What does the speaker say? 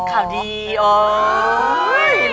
ข่าวดีโอ๊ย